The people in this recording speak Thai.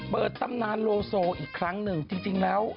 เปิดตำนานโรโซ่อีกครั้งหนึ่ง